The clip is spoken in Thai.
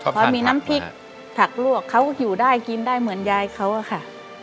พอมีน้ำพริกผักลวกเขาก็อยู่ได้กินได้เหมือนยายเขาอะค่ะ